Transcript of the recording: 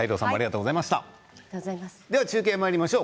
中継にまいりましょう。